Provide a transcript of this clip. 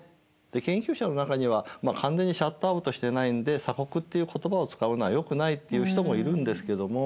で研究者の中には完全にシャットアウトしてないんで「鎖国」っていう言葉を使うのはよくないって言う人もいるんですけども。